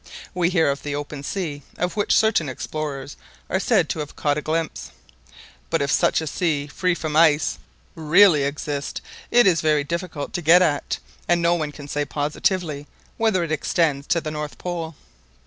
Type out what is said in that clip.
We hear of the open sea, of which certain explorers are said to have caught a glimpse. But if such a sea, free from ice, really exist, it is very difficult to get at, and no one can say positively whether it extends to the North Pole.